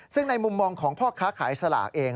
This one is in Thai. ซึ่งในมุมมองของพ่อค้าขายสลากเอง